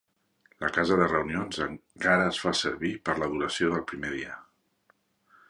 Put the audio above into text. La casa de reunions encara es fa servir per l'adoració del "Primer dia".